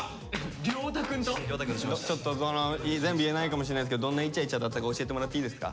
ちょっと全部言えないかもしれないですけどどんなイチャイチャだったか教えてもらっていいですか？